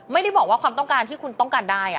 ไม่ได้บอกว่าความต้องการที่คุณต้องการได้